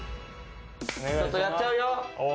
ちょっとやっちゃうよ。